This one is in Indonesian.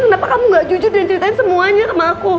kenapa kamu gak jujur dan ceritain semuanya sama aku